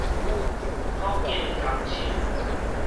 擴建工廠